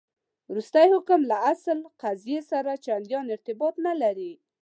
وروستی حکم له اصل قضیې سره چنداني ارتباط نه لري.